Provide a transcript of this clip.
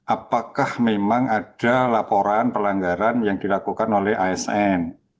apakah memang ada laporan pelanggaran yang dilakukan oleh asn